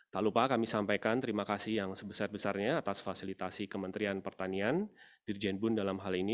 tak lupa kami sampaikan terima kasih yang sebesar besarnya atas fasilitasi kementerian pertanian dirjen bun dalam hal ini